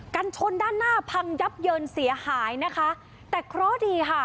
กันชนด้านหน้าพังยับเยินเสียหายนะคะแต่เคราะห์ดีค่ะ